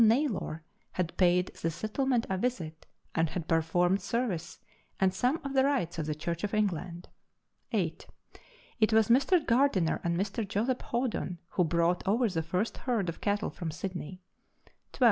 Naylor had paid the settlement a visit, and had performed service and some of the rites of the Church of England. 8. It was Mr. Gardiner and Mr. Joseph Hawdon who brought over the first herd of cattle from Sydney. 12.